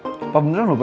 ih ayolah fucking kau eh